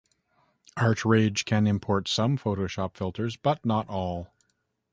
ArtRage can import some Photoshop filters, but not all.